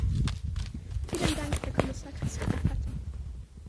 Vielen Dank, Herr Kommissar Christopher Patten.